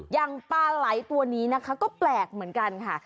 อย่างปลาไหลตัวนี้นะคะก็แปลกเหมือนกันค่ะ